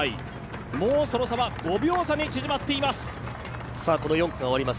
もうその差は５秒差に縮まっています。